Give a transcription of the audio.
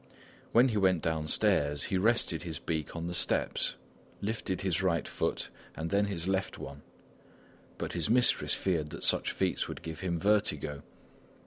When he went downstairs, he rested his beak on the steps, lifted his right foot and then his left one; but his mistress feared that such feats would give him vertigo.